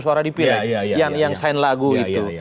suara di pir yang sign lagu itu